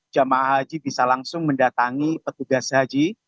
jemaah haji bisa langsung mendatangi petugas haji